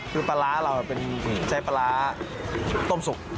คือปลาร้าเราใช้ปลาร้าต้มสุก